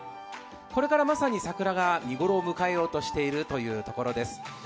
これからまさに桜が見頃を迎えようとしているということです。